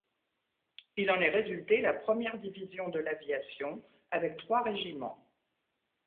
Il en est résulté la première division de l'aviation, avec trois régiments.